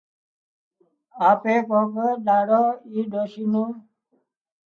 آپي ڪوڪ ۮاڙو اي ڏوشي نُون